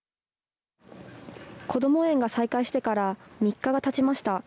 こども園が再開してから３日がたちました。